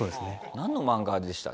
なんの漫画でした？